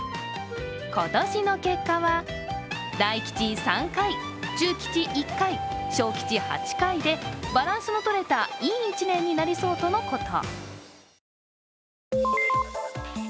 今年の結果は大吉３回、中吉１回、小吉８回でバランスのとれたいい１年になりそうとのこと。